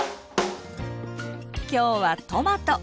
今日はトマト！